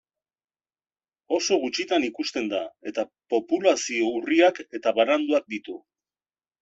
Oso gutxitan ikusten da eta populazio urriak eta bananduak ditu.